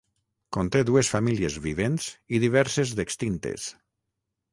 Conté dues famílies vivents i diverses d'extintes.